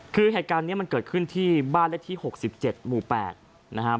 คือเหตุการณ์นี้มันเกิดขึ้นที่บ้านเลขที่๖๗หมู่๘นะครับ